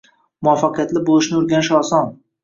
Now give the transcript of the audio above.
Muvaffaqiyatli bo’lishni o’rganish oson.